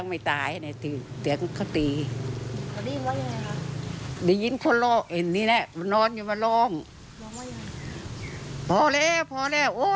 เพราะเช้าอะยายมาถาม